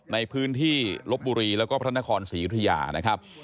ในพื้นที่ลบบุรีแล้วก็พระนครศรียุธยานะครับ